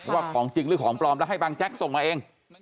ว่าของจริงหรือของปลอมแล้วให้บางแจ๊กส่งมาเอง